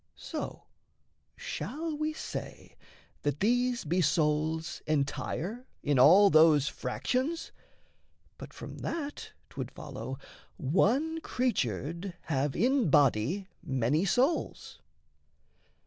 So shall we say that these be souls entire In all those fractions? but from that 'twould follow One creature'd have in body many souls.